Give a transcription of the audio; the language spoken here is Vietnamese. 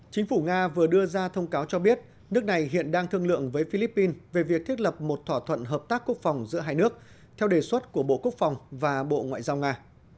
chính phủ nga vừa đưa ra thông cáo cho biết nước này hiện đang thương lượng với philippines về việc thiết lập một thỏa thuận hợp tác quốc phòng giữa hai nước theo đề xuất của bộ quốc phòng và bộ ngoại giao nga